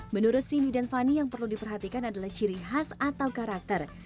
menurut sini dan fanny yang perlu diperhatikan adalah ciri khas atau karakter